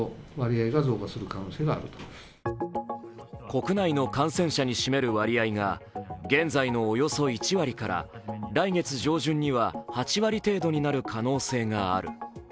国内の感染者に占める割合が現在のおよそ１割から来月上旬には８割程度になる可能性がある。